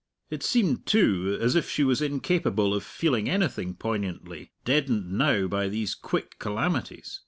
It seemed, too, as if she was incapable of feeling anything poignantly, deadened now by these quick calamities.